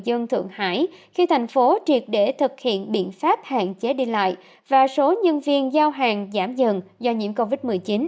dân thượng hải khi thành phố triệt để thực hiện biện pháp hạn chế đi lại và số nhân viên giao hàng giảm dần do nhiễm covid một mươi chín